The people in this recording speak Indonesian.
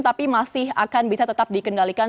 tapi masih akan bisa tetap dikendalikan